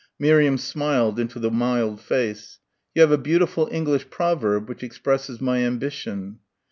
Miriam smiled into the mild face. "You have a beautiful English provairb which expresses my ambition."